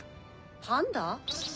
パンダ？